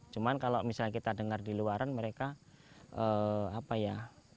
cuman kalau misalnya kita dengar di luaran mereka apa ya